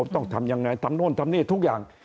ทำโน้นทำนี่ทุกอย่าง